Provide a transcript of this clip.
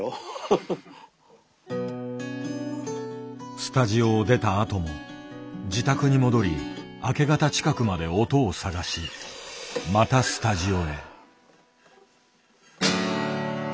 スタジオを出たあとも自宅に戻り明け方近くまで音を探しまたスタジオへ。